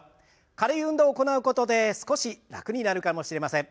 軽い運動を行うことで少し楽になるかもしれません。